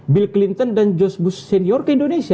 bill clinton dan george bush senior ke indonesia